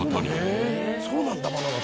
そうなんだ！